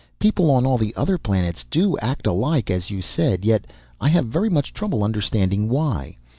People on all the other planets do act alike, as you said, yet I have very much trouble understanding why.